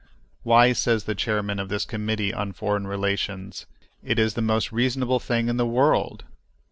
Why, says the chairman of this committee on foreign relations, it is the most reasonable thing in the world!